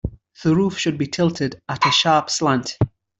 The roof should be tilted at a sharp slant.